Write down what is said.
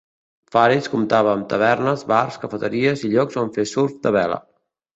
Faris compta amb: tavernes, bars, cafeteries i llocs on fer surf de vela.